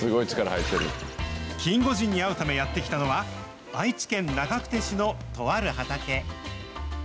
キンゴジンに会うためにやって来たのは、愛知県長久手市のとある畑。